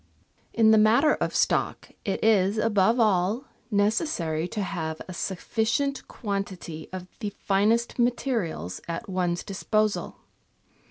In the matter of stock it is, above all, necessary to have a sufficient quantity of the finest materials at one's disposal.